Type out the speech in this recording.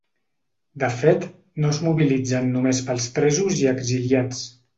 De fet, no es mobilitzen només pels presos i exiliats.